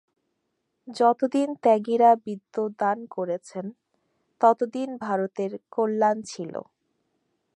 যতদিন ত্যাগীরা বিদ্যাদান করেছেন, ততদিন ভারতের কল্যাণ ছিল।